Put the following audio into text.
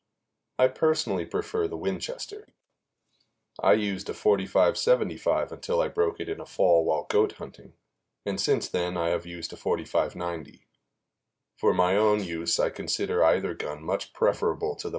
I personally prefer the Winchester. I used a .45 75 until I broke it in a fall while goat hunting, and since then I have used a .45 90. For my own use I consider either gun much preferable to the